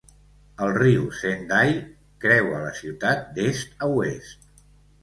El riu Sendai creua la ciutat d'est a oest.